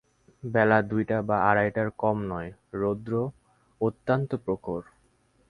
বেলা দুইটা বা আড়াইটার কম নয়, রৌদ্র অত্যন্ত প্রখর।